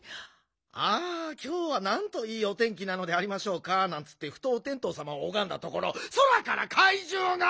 ああきょうはなんといいお天気なのでありましょうかなんつってふとおてんとうさまをおがんだところ空からかいじゅうが！